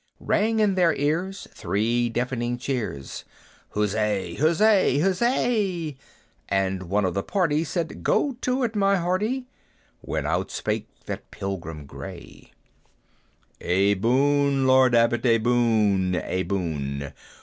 Rang in their ears three deafening cheers, "Huzza! huzza! huzza!" And one of the party said, "Go it, my hearty!" When outspake that Pilgrim gray "A boon, Lord Abbot! a boon! a boon!